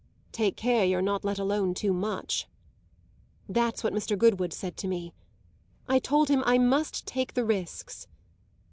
"Take care you're not let alone too much." "That's what Mr. Goodwood said to me. I told him I must take the risks."